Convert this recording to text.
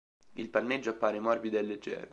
Il panneggio appare morbido e leggero.